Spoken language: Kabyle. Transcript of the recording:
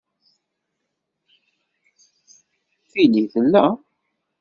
Tili tella.